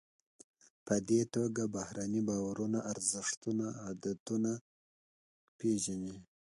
په دې توګه بهرني باورونه، ارزښتونه او عادتونه پیژنئ.